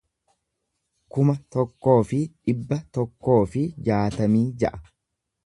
kuma tokkoo fi dhibba tokkoo fi jaatamii ja'a